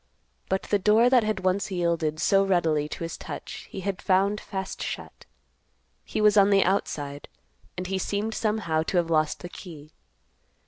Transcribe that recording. But the door that had once yielded so readily to his touch he had found fast shut. He was on the outside, and he seemed somehow to have lost the key.